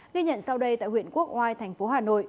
ghi nhận sau đây tại huyện quốc oai thành phố hà nội